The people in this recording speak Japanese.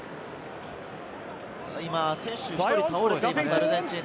今、選手が１人倒れています、アルゼンチン。